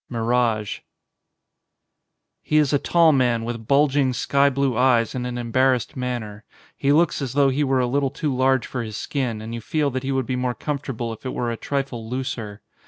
130 XXXIV MIRAGE HE is a tall man with bulging, sky blue eyes and an embarrassed manner. He looks as though he were a little too large for his skin and you feel that he would be more comfortable if it were a trifle looser.